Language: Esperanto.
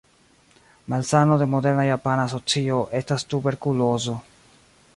Malsano de moderna japana socio estas tuberkulozo.